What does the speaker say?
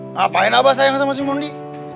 ngapain abah sayang sama si mundi